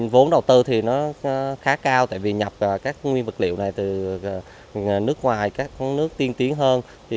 vốn đầu tư thì nó khá cao tại vì nhập các nguyên vật liệu này từ nước ngoài các nước tiên tiến hơn